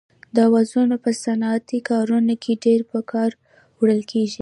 دا اوزارونه په صنعتي کارونو کې ډېر په کار وړل کېږي.